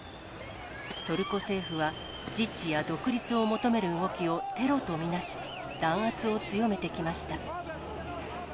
トルコ政府は、自治や独立を求める動きをテロと見なし、弾圧を強めてきました。